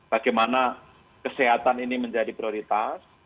bagaimana kesehatan ini menjadi prioritas